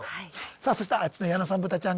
さあそしてあっちの矢野さんブタちゃんが。